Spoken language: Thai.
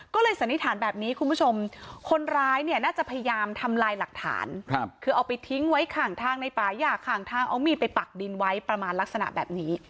ก็เลยสันนิษฐานแบบนี้คุณผู้ชมคนร้ายเนี่ยน่าจะพยายามทำลายหลักฐานคือเอาไปทิ้งไว้ข้างทางในป่าย่าข้างทางเอามีดไปปักดินไว้ประมาณลักษณะแบบนี้